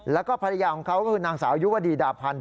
แล้วก็ภรรยาของเขาก็คือนางสาวยุวดีดาพันธ์